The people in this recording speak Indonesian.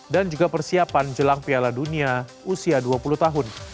dan juga persiapan jelang piala dunia usia dua puluh tahun